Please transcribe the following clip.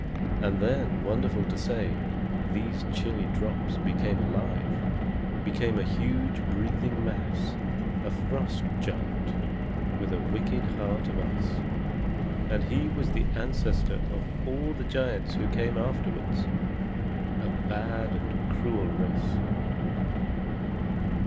And then, wonderful to say, these chilly drops became alive; became a huge, breathing mass, a Frost Giant with a wicked heart of ice. And he was the ancestor of all the giants who came afterwards, a bad and cruel race.